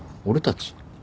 俺たち？